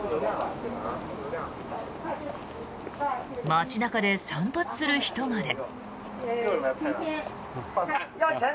街中で散髪する人まで。